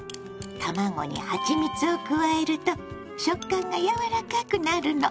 卵にはちみつを加えると食感がやわらかくなるの。